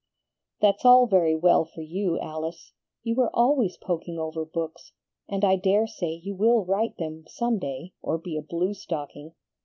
"That's all very well for you, Alice; you were always poking over books, and I dare say you will write them some day, or be a blue stocking.